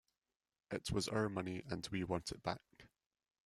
It was our money and we want it back.